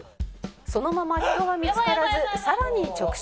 「そのまま人は見つからずさらに直進」